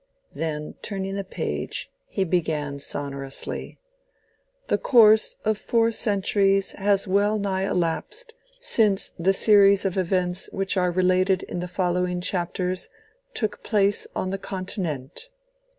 '" Then turning the page, he began sonorously—"The course of four centuries has well nigh elapsed since the series of events which are related in the following chapters took place on the Continent."